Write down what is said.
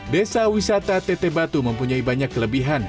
desa wisata teteh batu mempunyai banyak kelebihan